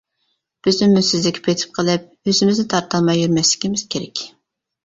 بىز ئۈمىدسىزلىككە پېتىپ قېلىپ ئۆزىمىزنى تارتالماي يۈرمەسلىكىمىز كېرەك.